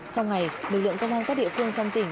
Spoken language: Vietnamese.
trong ngày lực lượng công an các địa phương trong tỉnh